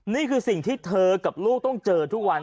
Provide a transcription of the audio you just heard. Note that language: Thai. นี่คือสิ่งที่เธอกับลูกต้องเจอทุกวัน